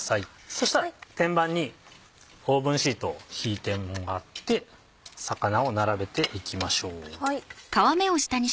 そしたら天板にオーブンシートを敷いてもらって魚を並べていきましょう。